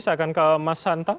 saya akan ke mas santa